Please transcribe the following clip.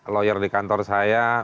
lawyer di kantor saya